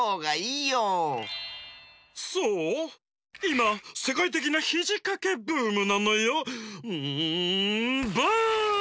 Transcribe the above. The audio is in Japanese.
いませかいてきなひじかけブームなのよ。んブーム！